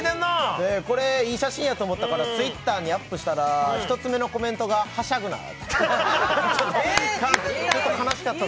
これ、いい写真やと思ったからＴｗｉｔｔｅｒにアップしたら１つ目のコメントが「はしゃぐな」って。